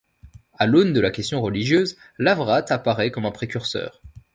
À l’aune de la question religieuse, Lavrate apparaît comme un précurseur.